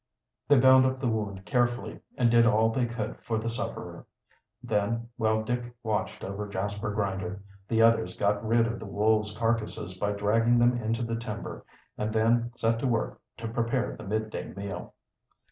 They bound up the wound carefully, and did all they could for the sufferer. Then, while Dick watched over Jasper Grinder, the others got rid of the wolves' carcasses by dragging them into the timber, and then set to work to prepare the midday meal.